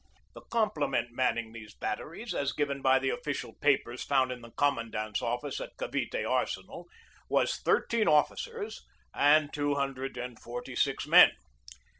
The complement manning these batteries, as given by the official papers found in the commandant's office at Cavite Arsenal, was thirteen officers and two hundred and forty six men.